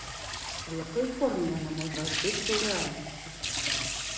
У якой форме яно можа адбыцца ў рэальнасці?